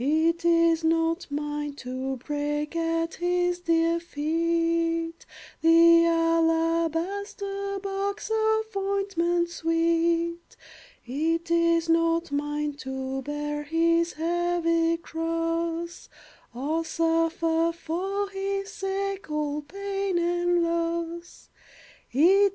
It is not mine to break At his dear feet The alabaster box Of ointment sweet. It is not mine to bear His heavy cross, Or suffer, for his sake, All pain and loss.